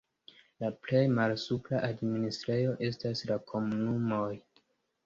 La plej malsupra administrejo estas la komunumoj.